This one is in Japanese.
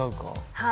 はい。